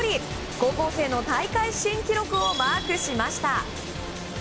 高校生の大会新記録をマークしました。